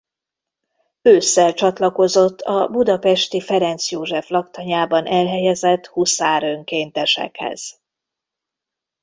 Ősszel csatlakozott a budapesti Ferenc József laktanyában elhelyezett huszár önkéntesekhez.